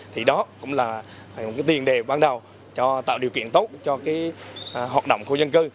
thì đó cũng là một tiền đề ban đầu cho tạo điều kiện tốt cho cái hoạt động khu dân cư